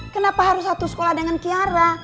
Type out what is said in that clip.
kenapa harus satu sekolah dengan kiara